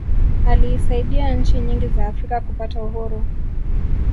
aliisaidia nchi nyingi za afrika kupata uhuru